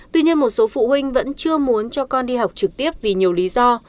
tuy nhiên một số phụ huynh vẫn chưa muốn cho con đi học trực tiếp vì nhiều lý do